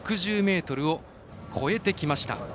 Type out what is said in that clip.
６０ｍを越えてきました。